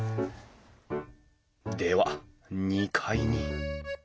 では２階に。